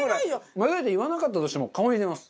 まずいって言わなかったとしても顔に出ます。